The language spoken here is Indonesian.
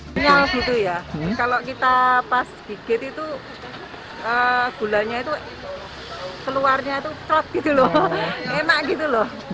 kenyal gitu ya kalau kita pas gigit itu gulanya itu keluarnya itu crot gitu loh enak gitu loh